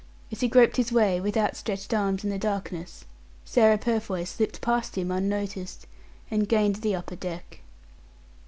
As he groped his way, with outstretched arms, in the darkness, Sarah Purfoy slipped past him unnoticed, and gained the upper deck.